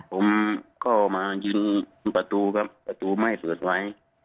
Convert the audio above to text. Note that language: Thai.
ผมก็มายิงประตูครับประตูไหม้เปิดไว้